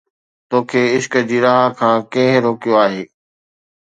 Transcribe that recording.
تو کي عشق جي راهه کان ڪنهن روڪيو آهي؟